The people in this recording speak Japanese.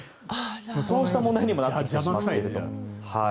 そうした問題にもなっていると。